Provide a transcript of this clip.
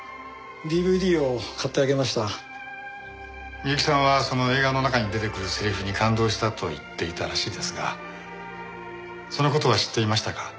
美雪さんはその映画の中に出てくるセリフに感動したと言っていたらしいですがその事は知っていましたか？